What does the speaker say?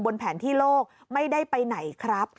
แผนที่โลกไม่ได้ไปไหนครับ